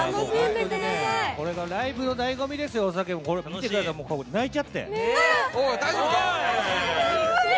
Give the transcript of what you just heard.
これがライブのだいご味ですよ、見てください、泣いちゃって。